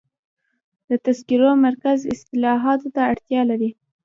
د تذکرو مرکز اصلاحاتو ته اړتیا لري.